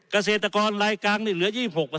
เกษตรกรลายกลางนี่เหลือ๒๖